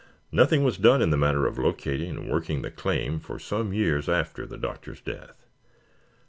Nothing was done in the matter of locating and working the claim for some years after the Doctor's death.